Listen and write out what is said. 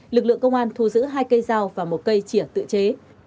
lực lượng công an thu giữ hai cây dao và một cây chỉa tự chế